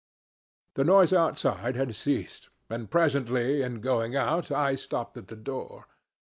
The noise outside had ceased, and presently in going out I stopped at the door.